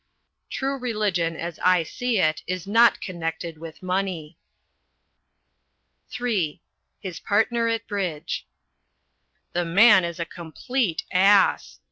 True religion, as I see it, is not connected with money. (III) HIS PARTNER AT BRIDGE The man is a complete ass.